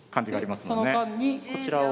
でその間にこちらを。